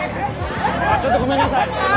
ちょっとごめんなさい。